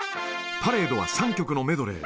パレードは３曲のメドレー。